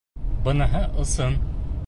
Быныһы ысын.